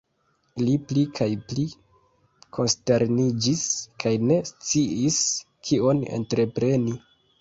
Li pli kaj pli konsterniĝis kaj ne sciis kion entrepreni.